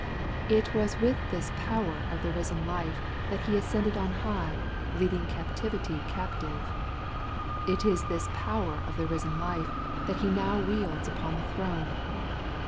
It was with this power of the risen life that He ascended on high, leading captivity captive. It is this power of the risen life that He now wields upon the throne.